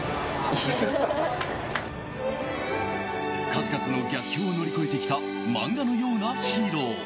数々の逆境を乗り越えてきた漫画のようなヒーロー。